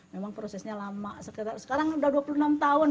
memang prosesnya lama sekarang sudah dua puluh enam tahun